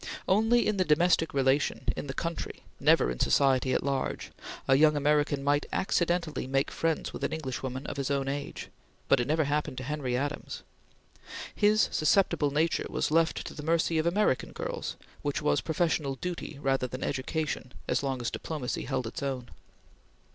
Only in the domestic relation, in the country never in society at large a young American might accidentally make friends with an Englishwoman of his own age, but it never happened to Henry Adams. His susceptible nature was left to the mercy of American girls, which was professional duty rather than education as long as diplomacy held its own.